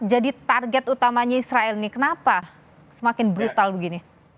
jadi target utamanya israel ini kenapa semakin brutal begini